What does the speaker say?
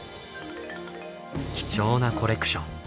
貴重なコレクション。